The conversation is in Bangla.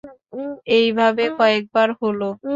এইভাবে কয়েকবার হল।